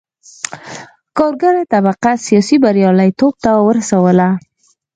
کارګره طبقه سیاسي بریالیتوب ته ورسوله.